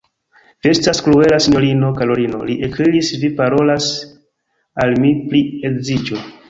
Vi estas kruela, sinjorino Karolino, li ekkriis, vi parolas al mi pri edziĝo!